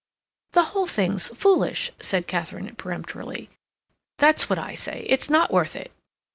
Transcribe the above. "The whole thing's foolish," said Katharine, peremptorily. "That's what I say. It's not worth it."